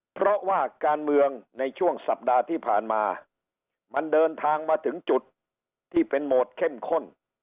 เพราะว่าการเมืองในช่วงสัปดาห์ที่ผ่านมามันเดินทางมาถึงจุดที่เป็นโหมดเข้มข้น